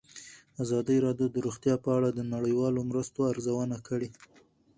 ازادي راډیو د روغتیا په اړه د نړیوالو مرستو ارزونه کړې.